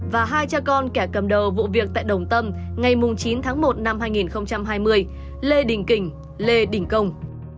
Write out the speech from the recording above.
và hai cha con kẻ cầm đầu vụ việc tại đồng tâm ngày chín tháng một năm hai nghìn hai mươi lê đình kình lê đình công